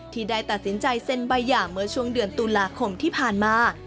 ที่ได้ตัดสินใจเซ็นใบหย่าเมื่อช่วงเดือนตุลาคมที่ผ่านมา